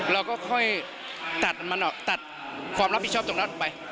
เราก็ค่อยตัดความรับผิดชอบตรงนั้นไป